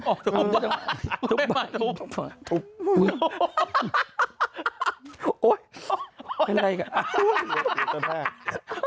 โอ๊ยเป็นไรกัน